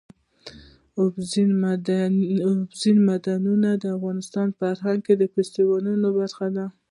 اوبزین معدنونه د افغانستان د فرهنګي فستیوالونو برخه ده.